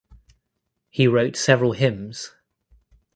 He wrote several hymns.